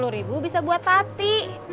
dua puluh ribu bisa buat tati